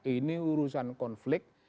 ini urusan konflik